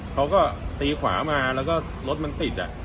เขาก็ตีขวามาแล้วก็รถมันติด